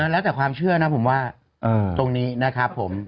แล้วแต่ความเชื่อนะผมว่าตรงนี้นะครับผม